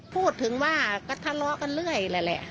พูดถึงว่าก็ทะเลาะกันเรื่อยแหละ